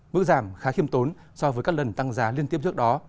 mức giảm khá khiêm tốn so với các lần tăng giá liên tiếp trước đó